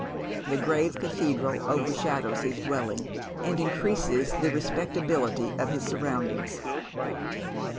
The grave cathedral overshadows his dwelling, and increases the respect ability of his surroundings.